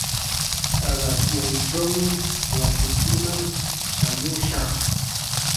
paqasyaychawmi wasikiman shamushaq.